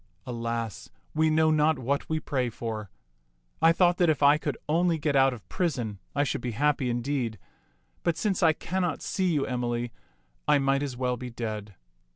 Alas, we know not what we pray for. I thought that if I could only get out of prison, I should be happy indeed ; but since I cannot see you, Emily, I might as well be dead."